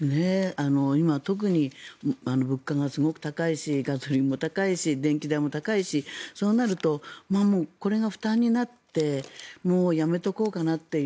今、特に物価がすごく高いしガソリンも高いし電気代も高いしそうなるとこれが負担になってもうやめておこうかなっていう。